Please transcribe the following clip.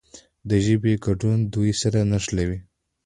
د ژبې ګډون دوی سره نښلوي.